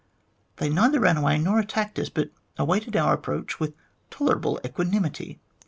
They neither ran away nor attacked us, but awaited our approach with tolerable equanimity.